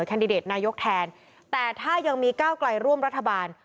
แนตนายกแทนแต่ถ้ายังมีก้าวไกลร่วมรัฐบาล